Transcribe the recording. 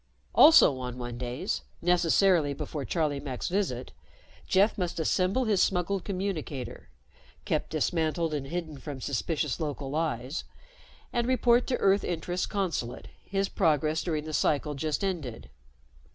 Also on Onedays, necessarily before Charlie Mack's visit, Jeff must assemble his smuggled communicator kept dismantled and hidden from suspicious local eyes and report to Earth Interests Consulate his progress during the cycle just ended.